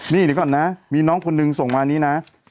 นี่เดี๋ยวก่อนนะมีน้องคนนึงส่งมานี้นะ